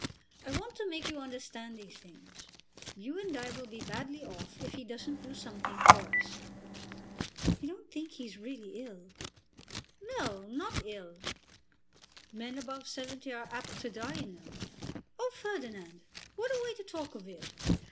I want to make you understand these things. You and I will be badly off if he doesn't do something for us." "You don't think he is really ill?" "No; not ill. Men above seventy are apt to die, you know." "Oh, Ferdinand, what a way to talk of it!"